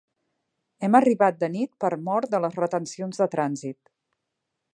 Hem arribat de nit per mor de les retencions de trànsit.